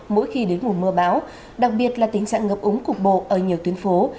mỗi khi đến mùa mưa bão đặc biệt là tình trạng ngập úng cục bộ ở nhiều tuyến phố